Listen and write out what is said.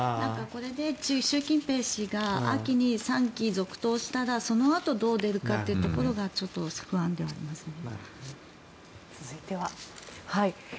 これで習近平主席が秋に３期続投したらそのあとどう出るかってところが不安ではありますね。